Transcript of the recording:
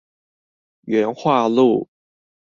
元化路